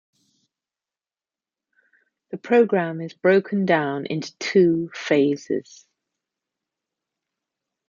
The program is broken down into two phases.